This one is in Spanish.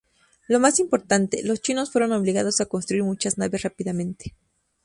Lo más importante: los chinos fueron obligados a construir muchas naves rápidamente.